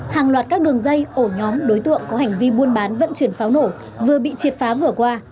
hàng loạt các đường dây ổ nhóm đối tượng có hành vi buôn bán vận chuyển pháo nổ vừa bị triệt phá vừa qua